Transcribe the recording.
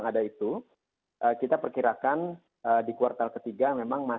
kalau dari prediksi saya dengan tanpa ada melihatnya ya